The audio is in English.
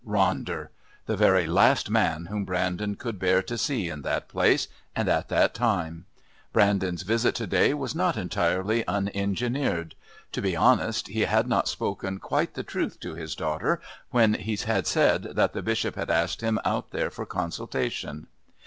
Ronder! The very last man whom Brandon could bear to see in that place and at that time! Brandon's visit to day was not entirely unengineered. To be honest, he had not spoken quite the truth to his daughter when he had said that the Bishop had asked him out there for consultation.